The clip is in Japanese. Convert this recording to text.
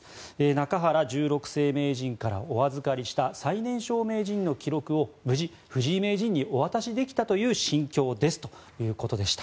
中原十六世名人からお預かりした最年少名人の記録を無事、藤井名人にお渡しできたという心境ですとお話しされました。